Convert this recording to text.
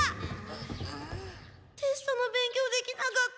テストの勉強できなかった。